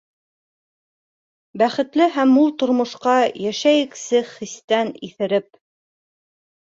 Бәхетле һәм мул тормошҡа Йәшәйексе хистән иҫереп.